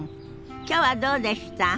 きょうはどうでした？